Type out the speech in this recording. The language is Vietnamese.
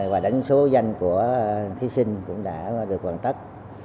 và đánh số danh của thí sinh cũng đã được hoàn tất